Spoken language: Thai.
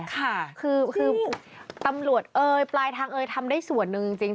ค่ะคือตำรวจเอ่ยปลายทางเอยทำได้ส่วนหนึ่งจริง